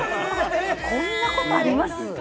こんなことあります？